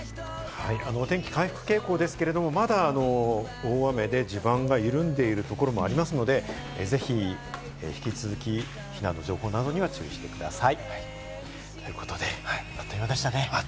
天気回復傾向ですけど、まだ大雨で地盤が緩んでるところもありますので、ぜひ引き続き避難情報などには注意してください。ということで、あっという間でしたね。